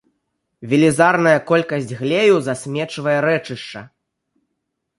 Велізарная колькасць глею засмечвае рэчышча.